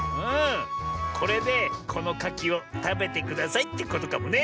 これでこのかきをたべてくださいってことかもね。